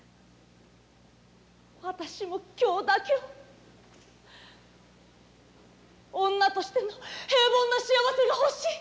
私も今日だけは女としての平凡な幸せがほしい。